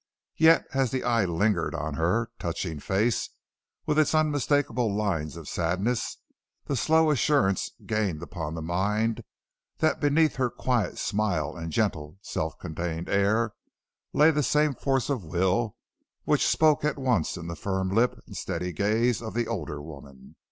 Yet as the eye lingered on her touching face, with its unmistakable lines of sadness, the slow assurance gained upon the mind that beneath her quiet smile and gentle self contained air lay the same force of will which spoke at once in the firm lip and steady gaze of the older woman.